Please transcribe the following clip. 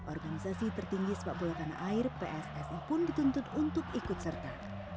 organisasi tertinggi sepak bola tanah air pssi pun dituntut untuk ikut serta